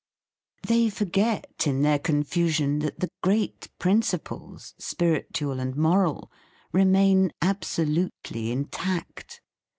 They forget, in their confusion, that the great principles, spiritual and moral, remain absolutely intact.